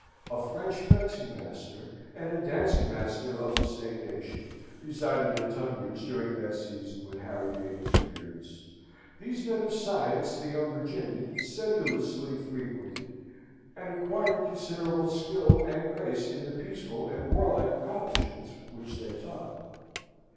A French fencing master, and a dancing master of the same nation, resided at Tunbridge during that season when Harry made his appearance: these men of science the young Virginian sedulously frequented, and acquired considerable skill and grace in the peaceful and warlike accomplishments which they taught.